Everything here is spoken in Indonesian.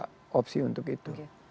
itu bukan opsi untuk itu